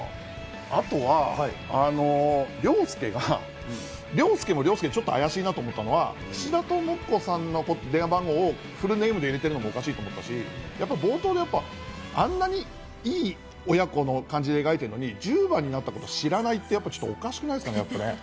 あとは凌介が凌介も凌介でちょっと怪しいなと思ったのは、菱田朋子さんの電話番号をフルネームで入れてるのもおかしいと思ったし、冒頭であんなにいい親子の感じで描いてるのに１０番になったのを知らないっておかしくないっすかね？